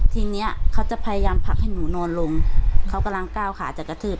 ทีนี้เขาจะพยายามผลักให้หนูนอนลงเขากำลังก้าวขาจะกระทืบ